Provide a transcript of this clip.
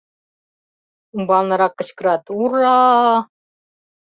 Умбалнырак кычкырат: «Ур-ра!..»